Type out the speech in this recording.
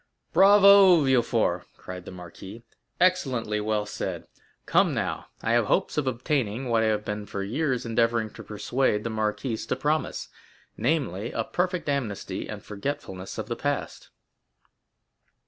"Bravo, Villefort!" cried the marquis; "excellently well said! Come, now, I have hopes of obtaining what I have been for years endeavoring to persuade the marquise to promise; namely, a perfect amnesty and forgetfulness of the past."